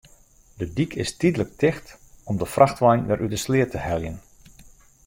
De dyk is tydlik ticht om de frachtwein wer út de sleat te heljen.